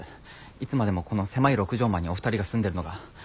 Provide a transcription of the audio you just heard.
いつまでもこの狭い６畳間にお二人が住んでるのが。